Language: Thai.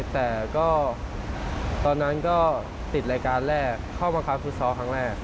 แต่ก็ตอนนั้นก็ติดรายการแรกเข้าบังคับฟุตซอลครั้งแรก